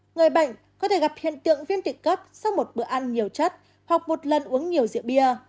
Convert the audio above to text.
người bệnh có thể gặp hiện tượng viêm tị cất sau một bữa ăn nhiều chất hoặc một lần uống nhiều rượu bia